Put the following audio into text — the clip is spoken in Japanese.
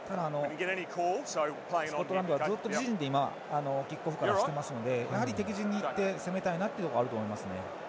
スコットランドはずっと自陣でキックオフからしてますのでやはり敵陣に行って攻めたいところはあると思います。